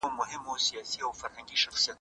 پرتله کول موږ ته نوي بصیرتونه راکوي.